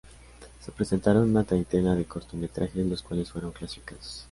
Se presentaron una treintena de cortometrajes, los cuales fueron clasificados.